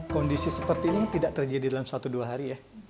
kondisi seperti ini tidak terjadi dalam satu dua hari ya